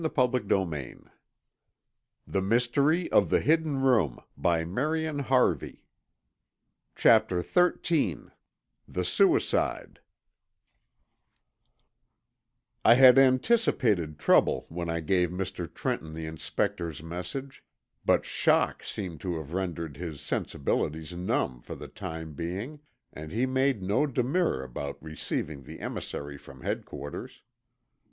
"Yes, he he drowned himself in the East River early this morning!" CHAPTER XIII THE SUICIDE I had anticipated trouble when I gave Mr. Trenton the Inspector's message, but shock seemed to have rendered his sensibilities numb for the time being and he made no demur about receiving the emissary from Headquarters.